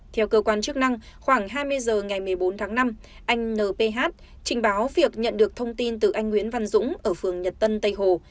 theo cơ quan chức năng khoảng hai mươi h ngày một mươi bốn tháng năm anh np trình báo việc nhận được thông tin từ anh nguyễn văn dũng ở phường nhật tân tây hồ